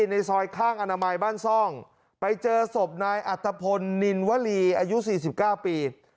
ในซอยข้างอนามัยบ้านซ่องไปเจอศพนายอัตภพลนินวลีอายุ๔๙ปี